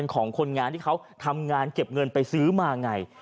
ของคนงานที่เขาทำงานเก็บเงินไปซื้อมาไง